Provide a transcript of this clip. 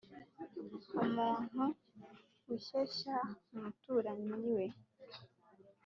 umuntu ushyeshya umuturanyi we,